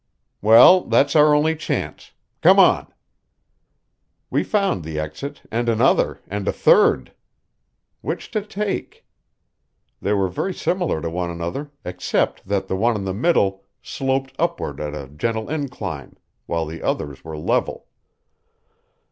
"Well, that's our only chance. Come on!" We found the exit, and another, and a third. Which to take? They were very similar to one another, except that the one in the middle sloped upward at a gentle incline, while the others were level.